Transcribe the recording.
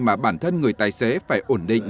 mà bản thân người tài xế phải ổn định